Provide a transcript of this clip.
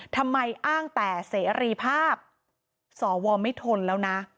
ทำไมอ้างแต่เสรีภาพสวไม่ทนแล้วนะ